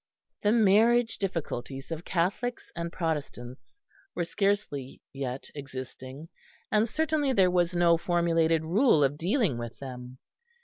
The marriage difficulties of Catholics and Protestants were scarcely yet existing; and certainly there was no formulated rule of dealing with them.